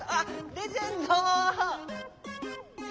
レジェンド。